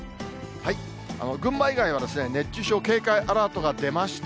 群馬以外は熱中症警戒アラートが出ました。